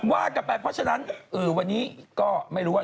ว่ากันไปเพราะฉะนั้นวันนี้ก็ไม่รู้ว่า